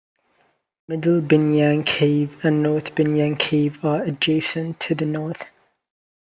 Middle Binyang Cave and North Binyang Cave are adjacent to the north.